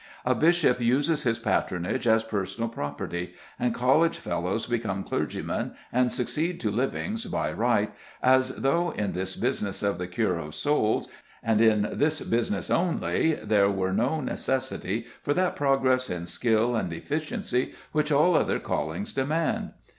A bishop uses his patronage as personal property, and college fellows become clergymen and succeed to livings by right, as though in this business of the cure of souls, and in this business only, there were no necessity for that progress in skill and efficiency which all other callings demand!